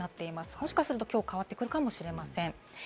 もしかすると今日変わるかもしれません。